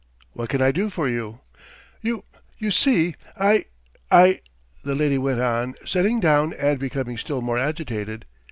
What can I do for you?" "You ... you see ... I ... I ..." the lady went on, sitting down and becoming still more agitated.